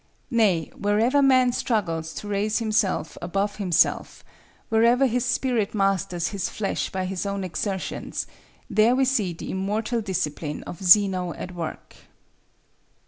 Nay, wherever man struggles to raise himself above himself, wherever his spirit masters his flesh by his own exertions, there we see the immortal discipline of Zeno at work.